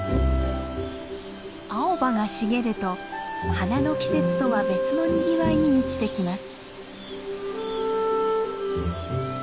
青葉が茂ると花の季節とは別のにぎわいに満ちてきます。